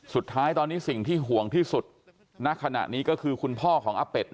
สุดท้ายตอนนี้สิ่งที่ห่วงที่สุดณขณะนี้ก็คือคุณพ่อของอาเป็ด